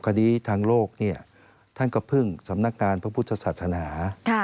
คดีทางโลกท่านก็พึ่งสำนักงานพระพุทธศาสนา